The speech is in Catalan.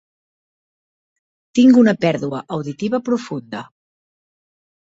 Tinc una pèrdua auditiva profunda.